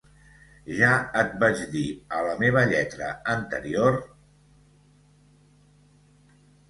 Ja et vaig dir a la meva lletra anterior...